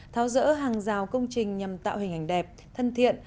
tháo rỡ hàng rào công trình nhằm tạo hình ảnh đẹp thân thiện